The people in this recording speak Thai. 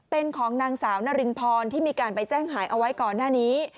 เป็นของนางสาวนารินพรที่มีการไปแจ้งหายเอาไว้ก่อนหน้านี้